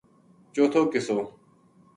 چوتھو قصو